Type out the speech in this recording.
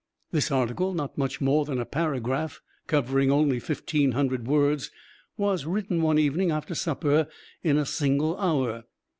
This article, not much more than a paragraph, covering only fifteen hundred words, was written one evening after supper in a single hour.